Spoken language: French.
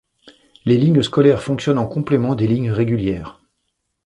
Les lignes scolaires fonctionnent en complément des lignes régulières.